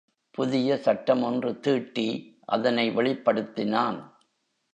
புதிய சட்டம் ஒன்று தீட்டி அதனை வெளிப்படுத்தினான்.